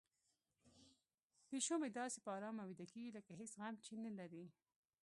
پیشو مې داسې په ارامه ویده کیږي لکه هیڅ غم چې نه لري.